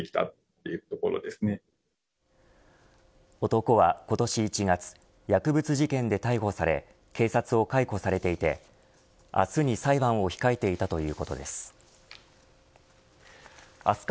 男は今年１月薬物事件で逮捕され警察を解雇されていて明日に裁判を控えていたということです。